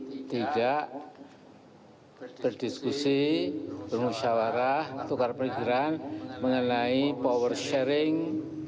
jadi tidak berdiskusi bermusyawarah tukar perikiran mengenai power sharing